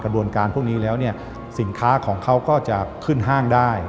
โดนการพวกนี้แล้วเนี่ยสินค้าของเขาก็จะขึ้นห้างได้